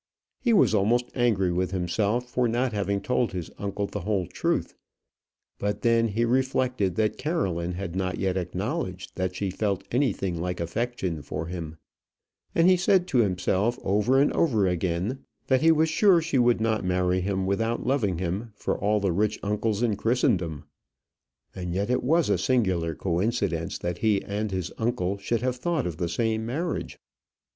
He was almost angry with himself for not having told his uncle the whole truth; but then he reflected that Caroline had not yet acknowledged that she felt anything like affection for him; and he said to himself, over and over again, that he was sure she would not marry him without loving him for all the rich uncles in Christendom; and yet it was a singular coincidence that he and his uncle should have thought of the same marriage.